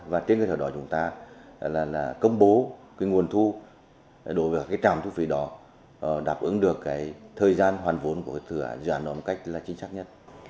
và trên cái thời đó chúng ta công bố cái nguồn thu đối với cái trạm thu phí đó đáp ứng được cái thời gian hoàn vốn của cái thừa dự án đó một cách chính xác nhất